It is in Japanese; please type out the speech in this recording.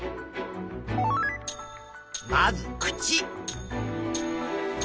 まず口。